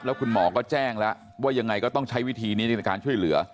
แล้วคุณหมอก็แจ้งแล้วว่ายังไงก็ต้องใช้วิธีนี้ในการช่วยเหลือ